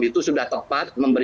itu sudah tepat